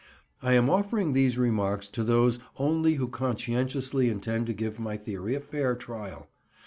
I am offering these remarks to those only who conscientiously intend to give my theory a fair trial.